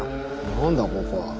何だここは。